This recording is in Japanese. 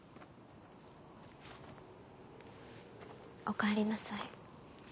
おかえりなさい。